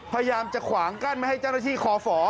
พยายามจะขวางกั้นไม่ให้เจ้าหน้าที่คอฝ